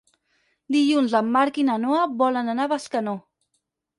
Dilluns en Marc i na Noa volen anar a Bescanó.